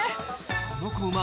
この子馬